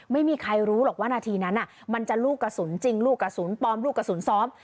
ไม่มีใครรู้หรอกว่านาทีนั้นมันจะลูกกระสุนจริงลูกกระสุนปลอมลูกกระสุนซ้อม